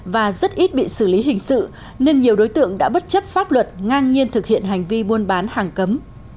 và rất ít bị xử lý hình sự nên nhiều đối tượng đã bất chấp pháp luật ngang nhiên thực hiện hành vi buôn bán hàng cấm